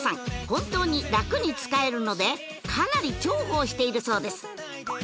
本当に楽に使えるのでかなり重宝しているそうです